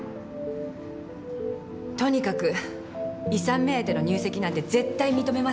とにかく遺産目当ての入籍なんて絶対認めませんから。